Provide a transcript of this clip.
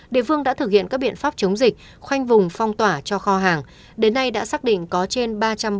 địa phương đã thực hiện các biện pháp chống dịch khoanh vùng phong tỏa cho kho hàng đến nay đã xác định có trên ba trăm bảy mươi f một hiện đang ở trong công ty